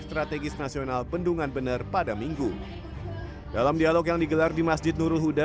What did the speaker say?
strategis nasional bendungan bener pada minggu dalam dialog yang digelar di masjid nurul huda